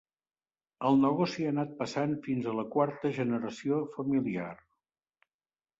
El negoci ha anat passant fins a la quarta generació familiar.